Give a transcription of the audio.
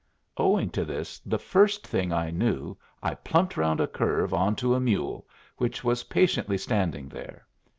Owing to this, the first thing I knew I plumped round a curve on to a mule, which was patiently standing there.